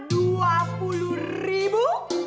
dua puluh ribu